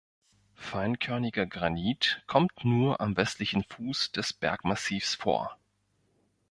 Feinkörniger Granit kommt nur am westlichen Fuß des Bergmassivs vor.